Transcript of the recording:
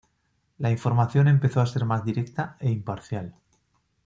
La información empezó a ser más directa e imparcial.